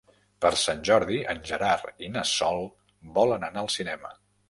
Per Sant Jordi en Gerard i na Sol volen anar al cinema.